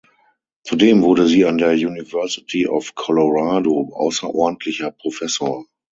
Zudem wurde sie an der University of Colorado außerordentlicher Professor.